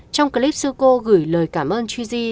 trong clip sư cô gửi lời cảm ơn gigi